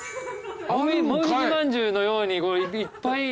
もみじまんじゅうのようにいっぱいあんねや。